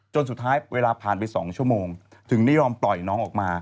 สุดท้ายเวลาผ่านไป๒ชั่วโมงถึงได้ยอมปล่อยน้องออกมา